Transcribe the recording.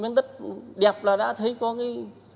mến đất đẹp là đã thấy có cái